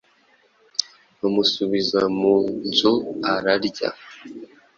bamubisa mu nzu ararya.